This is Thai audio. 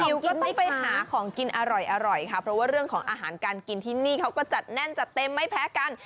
ก็ต้องไปหาของกินอร่อยค่ะเพราะว่าเรื่องของอาหารการกินที่นี่เขาก็จัดแน่นจัดเต็มไม่แพ้กัน